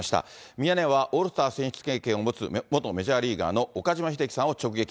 ミヤネ屋はオールスター選出経験を持つ元メジャーリーガーの岡島秀樹さんを直撃。